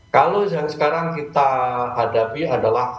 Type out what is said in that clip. kalau yang sekarang kita hadapi adalah